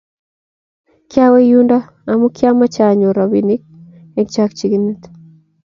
kiawe yundo amu kiamache anyor robinik eng chakchyinet